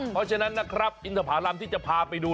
เพราะฉะนั้นนะครับอินทภารำที่จะพาไปดู